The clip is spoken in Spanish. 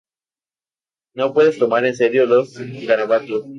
No puedes tomar en serio los garabatos".